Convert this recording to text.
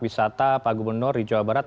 wisata pak gubernur di jawa barat